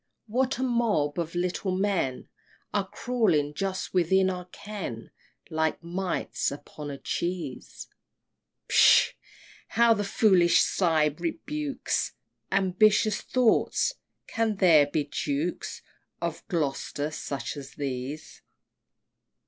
what a mob of little men Are crawling just within our ken, Like mites upon a cheese! Pshaw! how the foolish sight rebukes Ambitious thoughts! can there be Dukes Of Gloster such as these!